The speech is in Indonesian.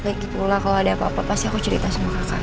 pula kalau ada apa apa pasti aku cerita sama kakak